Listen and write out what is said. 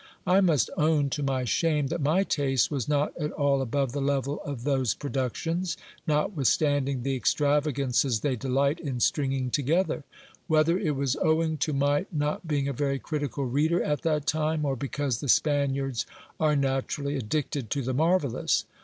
I must own, to r.vy shame, that my taste was not at all above the level of those productions, r otwithstanding the extravagances they delight in stringing together : whether i: was owing to my not being a very critical reader at that time, or because the Spaniards are naturally addicted to the marvellous.